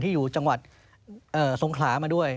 อยู่จังหวัดสงขลามาด้วย